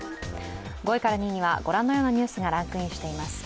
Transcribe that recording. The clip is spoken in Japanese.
５位から２位はご覧のようなニュースがランクインしています。